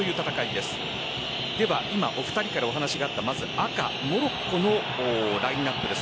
では、お二人からお話があった赤・モロッコのラインナップです。